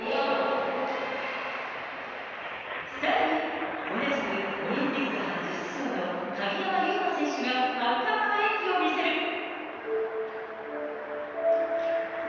さらに、同じくオリンピック初出場の鍵山優真選手が圧巻の演技を見せる。